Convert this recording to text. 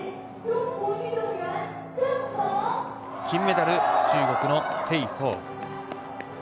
金メダル、中国の鄭鵬。